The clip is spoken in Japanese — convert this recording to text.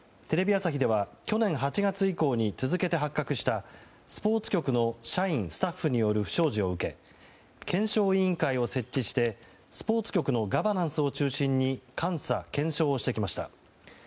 テレビ朝日では去年８月以降に続けて発覚したスポーツ局の社員スタッフによる不祥事を受け検証委員会を設置してスポーツ局のガバナンスを中心に監査・検証してきました。